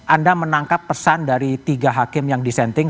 anda menangkap pesan dari tiga hakim yang disenting